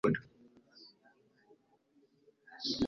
Nta muntu n'umwe wemerewe kubikora .